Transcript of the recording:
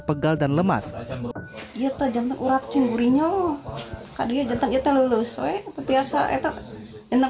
pegal dan lemas jantung urat cinggurinya loh kadang kita lulus weh biasa itu tidak